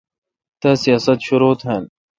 تا سیاست شرو تھال۔